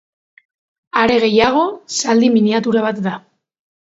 Are gehiago, zaldi miniatura bat da.